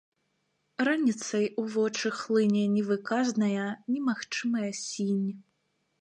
Раніцай у вочы хлыне невыказная, немагчымая сінь.